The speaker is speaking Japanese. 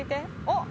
「おっ！」